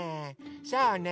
そうねえ。